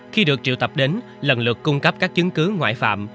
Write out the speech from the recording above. khi được triệu tập đến lần lượt cung cấp các chứng cứ ngoại phạm